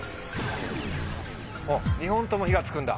２本とも火がつくんだ。